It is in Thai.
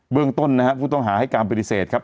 เรื่องต้นนะฮะผู้ต้องหาให้การปฏิเสธครับ